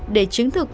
để chứng thực